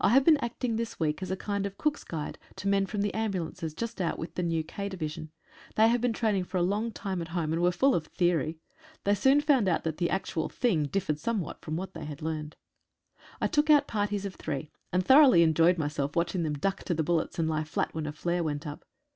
I have been acting this week as a kind of Cook's guide to men from ambu lances just out with a new "K" division. They have been training for a long time at home, and were full of theory. They soon found out that the actual thing differed some what from what they had learned. I took out parties of three, and thoroughly enjoyed myself watching them duck to the bullets and lie fiat when a flare went up.